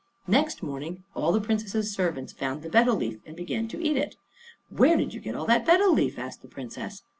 Next morning all the Princess's servants found the betel leaf, and began to eat it. "Where did you get all that betel leaf?" asked the Princess.